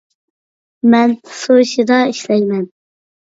مەن سۇشىدا ئىشلەيمەن